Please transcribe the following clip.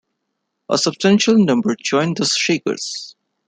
A substantial number joined the Shakers.